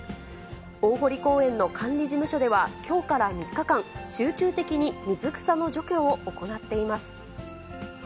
大濠公園の管理事務所では、きょうから３日間、集中的に水草の除去を行っています。